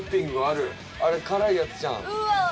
あれ辛いやつちゃうん？